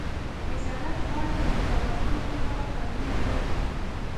د سړک غاړه د موټروانو لپاره خوندي ځای دی.